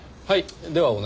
はい。